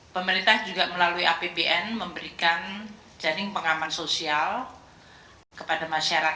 pemerintah juga melalui apbn memberikan janin pengaman sosial kepada masyarakat